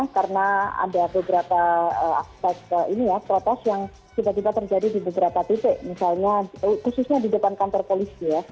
karena ada beberapa protes yang tiba tiba terjadi di beberapa titik khususnya di depan kantor polisi